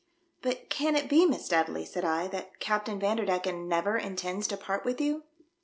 " But can it be, Miss Dudley," said I, " that Captain Vanderdecken never intends to part with you